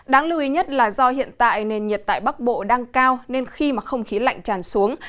đáng lưu ý nhất là do hiện tại nền nhiệt tại bắc bộ đang cao nên khi mà không khí lạnh tràn xuống